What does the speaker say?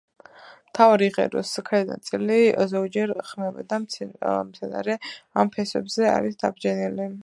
მთავარი ღეროს ქვედა ნაწილი ზოგჯერ ხმება და მცენარე ამ ფესვებზე არის დაბჯენილი.